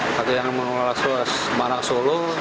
atau yang menolak ruas semarang solo